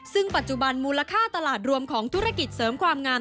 ซึ่งปัจจุบันมูลค่าตลาดรวมของธุรกิจเสริมความงาม